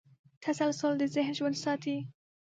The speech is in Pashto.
تسلسل د ذهن ژوند ساتي.